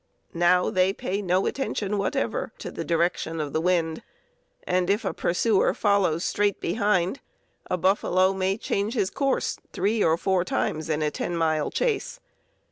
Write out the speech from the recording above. Now they pay no attention whatever to the direction of the wind, and if a pursuer follows straight behind, a buffalo may change his course three or four times in a 10 mile chase.